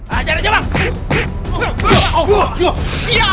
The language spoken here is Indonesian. ajar aja bang